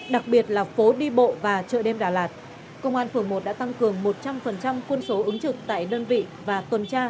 đặc biệt là phố đi bộ và chợ đêm đà lạt công an phường một đã tăng cường một trăm linh quân số ứng trực tại đơn vị và tuần tra